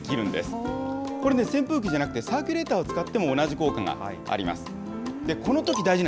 これね、扇風機じゃなくてサーキュレーターを使っても同じ効果があります。